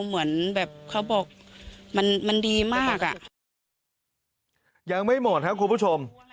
เหมือนแบบเขาบอกมันมันดีมากอ่ะยังไม่หมดครับคุณผู้ชม